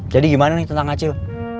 jadi gimana nih tentang acil